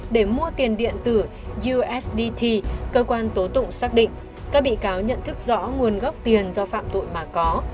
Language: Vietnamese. để mua tiền điện tử usdt cơ quan tố tụng xác định các bị cáo nhận thức rõ nguồn gốc tiền do phạm tội mà có